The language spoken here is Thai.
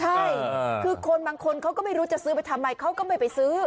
ใช่คือคนบางคนเขาก็ไม่รู้จะซื้อไปทำไมเขาก็ไม่ไปซื้อ